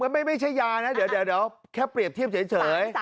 ไม่ใช่ยานะเดี๋ยวแค่เปรียบเทียบเฉย